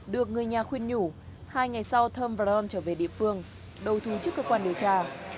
được người nhà khuyên nhủ hai ngày sau thơm và ron trở về địa phương đầu thú trước cơ quan điều tra